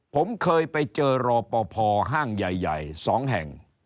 ผมเคยไปเจอรอปภห้างใหญ่๒แห่ง